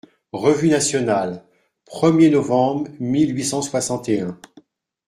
REVUE NATIONALE, premier novembre mille huit cent soixante et un.